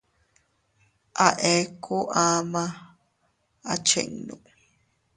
A eku ama a chinnu.